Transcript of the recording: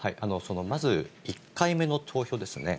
まず１回目の投票ですね。